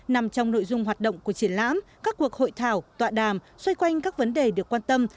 nằm trong nội dung hoạt động của triển lãm các cuộc hội thảo tọa đàm xoay quanh các vấn đề được quan tâm